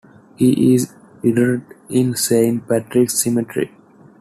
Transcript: He is interred in Saint Patrick's Cemetery.